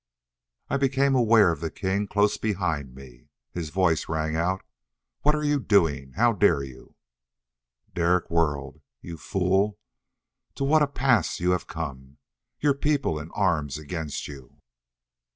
I became aware of the king close behind me. His voice rang out: "What are you doing? How dare you?" Derek whirled, "You fool! To what a pass you have come! Your people in arms against you...."